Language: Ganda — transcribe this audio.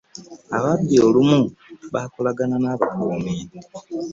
Ababbi olumu bakolagana nabakumi.